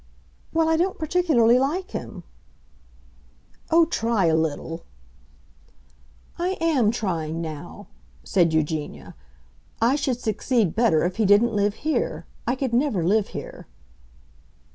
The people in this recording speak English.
"Well, I don't particularly like him." "Oh, try a little." "I am trying now," said Eugenia. "I should succeed better if he didn't live here. I could never live here."